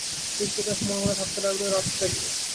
বিপ্রদাস মনে মনে ভাবতে লাগল এর অর্থটা কী?